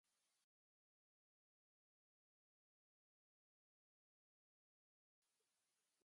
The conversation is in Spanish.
Se dirigen al departamento de Mulder.